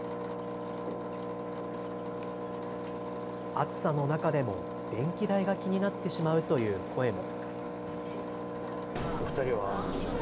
暑さの中でも電気代が気になってしまうという声も。